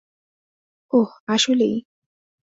ওহ, আসলেই?